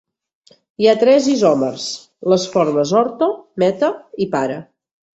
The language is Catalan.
Hi ha tres isòmers: les formes "orto-", "meta-", i "para-".